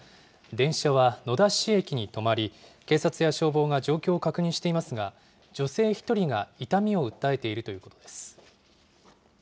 電車は野田市駅に止まり、警察や消防が状況を確認していますが、女性１人が痛みを訴えているということです。